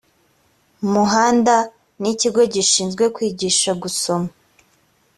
muhanda n ikigo gishinzwe kwigisha gusoma